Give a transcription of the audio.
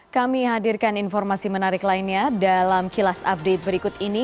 kami hadirkan informasi menarik lainnya dalam kilas update berikut ini